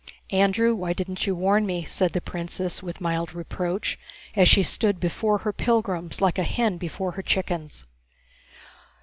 "Andrew, why didn't you warn me?" said the princess, with mild reproach, as she stood before her pilgrims like a hen before her chickens.